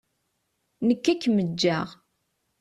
Nekki ad akem-ǧǧeɣ.